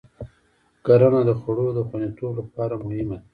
کرنه د خوړو د خوندیتوب لپاره مهمه ده.